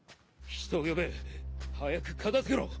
人を呼べ！早く片付けろ！